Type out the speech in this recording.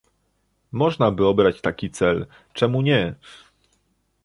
Można by obrać taki cel - czemu nie?